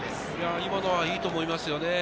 今のはいいと思いますよね。